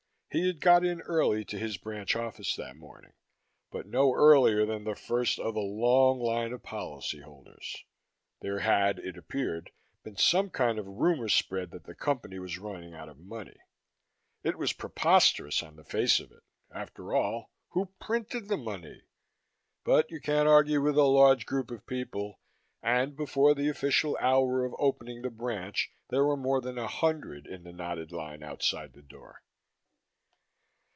He had got in early to his branch office that morning, but no earlier than the first of a long line of policyholders. There had, it appeared, been some kind of rumor spread that the Company was running out of money. It was preposterous on the face of it after all, who printed the money? but you can't argue with a large group of people and, before the official hour of opening the branch, there were more than a hundred in the knotted line outside the door.